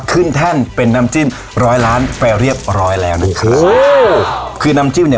ขึ้นแท่นเป็นน้ำจิ้มร้อยล้านแปรเรียบร้อยแล้วนะครับโอ้คือน้ำจิ้มเนี้ย